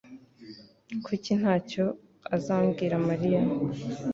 Kuki ntacyo azabwira Mariya?